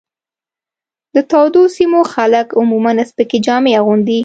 د تودو سیمو خلک عموماً سپکې جامې اغوندي.